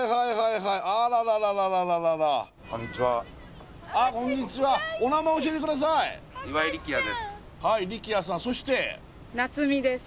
はい力也さんそして夏美です